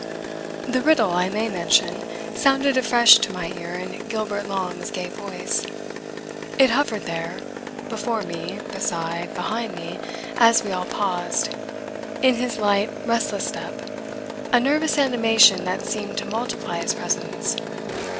The riddle, I may mention, sounded afresh to my ear in Gilbert Long's gay voice; it hovered there before me, beside, behind me, as we all paused in his light, restless step, a nervous animation that seemed to multiply his presence.